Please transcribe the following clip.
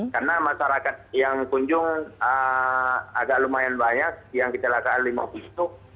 karena masyarakat yang kunjung agak lumayan banyak yang kecelakaan lima puluh stuk